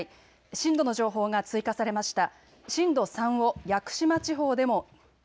震度の情報が追加されました。